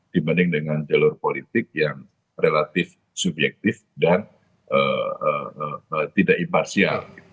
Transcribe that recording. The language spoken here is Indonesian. dibanding dengan jalur politik yang relatif subjektif dan tidak imparsial